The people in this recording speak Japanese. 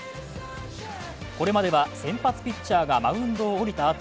これまでは先発ピッチャーがマウンドを降りた